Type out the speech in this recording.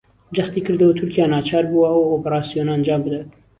جەختیکردەوە تورکیا ناچار بووە ئەو ئۆپەراسیۆنە ئەنجامبدات